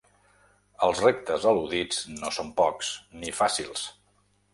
Els reptes al·ludits no són pocs, ni fàcils.